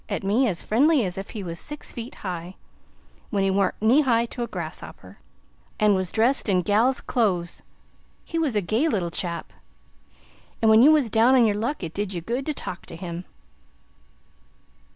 at me, as friendly as if he was six feet high, when he warn't knee high to a grasshopper, and was dressed in gal's clo'es. He was a gay little chap, and when you was down on your luck, it did you good to talk to him."